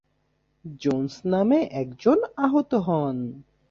Jones নামে একজন আহত হন।